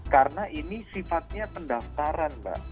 karena ini sifatnya pendastaran mbak